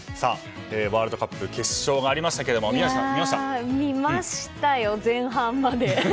ワールドカップ決勝がありましたけれども見ましたよ、前半まで。